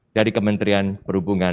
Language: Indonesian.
dari kementerian perhubungan